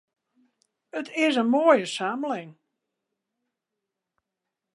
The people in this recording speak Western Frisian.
It is in moaie samling.